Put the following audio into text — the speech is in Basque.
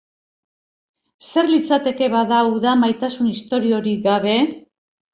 Zer litzateke, bada, uda maitasun istoriorik gabe?